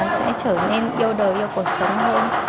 sẽ trở nên yêu đời yêu cuộc sống hơn